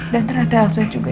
dan ternyata elsa juga